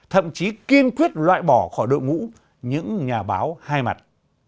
thậm chí kiên quyết loại bỏ khỏi đội ngũ những nhà báo hai mặt